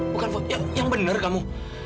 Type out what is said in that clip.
bukan fok yang bener kamu